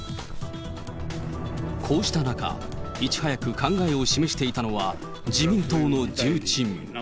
こうした中、いち早く考えを示していたのは、自民党の重鎮。